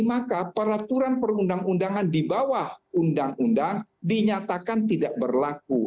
maka peraturan perundang undangan di bawah undang undang dinyatakan tidak berlaku